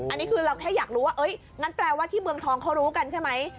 อันนี้คือเราแค่อยากรู้ว่างั้นแปลว่าที่เมืองทองเขารู้กันใช่ไหม